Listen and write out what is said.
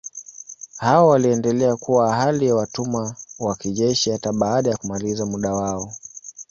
Hao waliendelea kuwa hali ya watumwa wa kijeshi hata baada ya kumaliza muda wao.